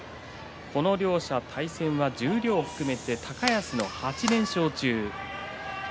この両者、対戦が十両を含めて高安の８連勝中です。